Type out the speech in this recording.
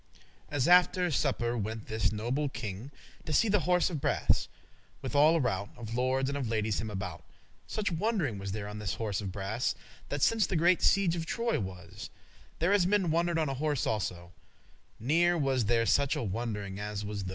At after supper went this noble king To see the horse of brass, with all a rout Of lordes and of ladies him about. Such wond'ring was there on this horse of brass, That, since the great siege of Troye was, There as men wonder'd on a horse also, Ne'er was there such a wond'ring as was tho.